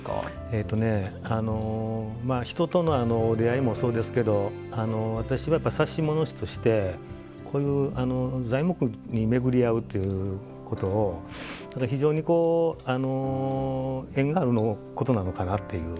えっとね人との出会いもそうですけど私は指物師としてこういう材木に巡り合うということを非常にこう縁があることなのかなっていう。